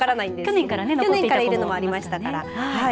去年からいるのもありましたから。